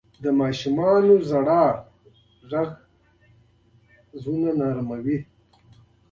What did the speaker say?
د ماشوم ژړا ږغ زړونه نرموي.